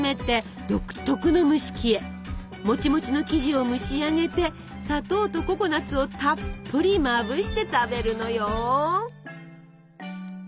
もちもちの生地を蒸し上げて砂糖とココナツをたっぷりまぶして食べるのよ！